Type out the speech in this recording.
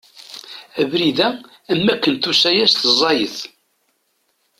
Abrid-a am wakken tusa-yas-d ẓẓayet.